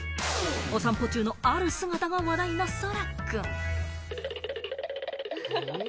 お散歩中のある姿が話題の空くん。